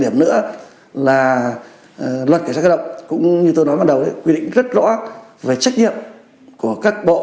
điểm nữa là luật cảnh sát cơ động cũng như tôi nói ban đầu quy định rất rõ về trách nhiệm của các bộ